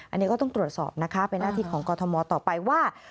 อันนี้ก็ต้องตรวจสอบนะคะเป็นหน้าที่ของกรทมต่อไปว่า